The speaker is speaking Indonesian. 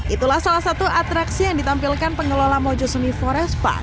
itulah salah satu atraksi yang ditampilkan pengelola mojo semiforest park